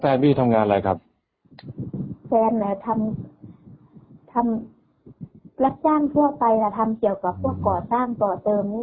แฟนเนี้ยทำทำและจ้างทั่วไปน่ะทำเกี่ยวกับพวกก่อสร้างก่อเติมนี่